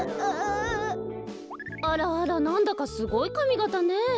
あらあらなんだかすごいかみがたねえ。